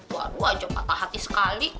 waduh aja patah hati sekali